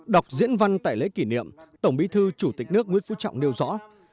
đọc diễn văn tại lễ kỷ niệm tổng bí thư chủ tịch nước nguyễn phú trọng nêu rõ